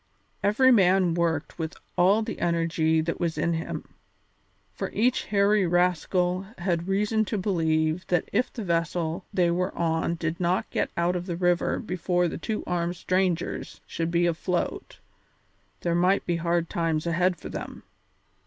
Every man worked with all the energy that was in him, for each hairy rascal had reason to believe that if the vessel they were on did not get out of the river before the two armed strangers should be afloat there might be hard times ahead for them.